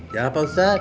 ya pak otad